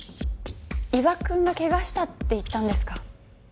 伊庭くんが「怪我した」って言ったんですか？